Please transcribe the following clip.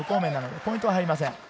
ポイントは入りません。